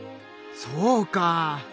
そうか。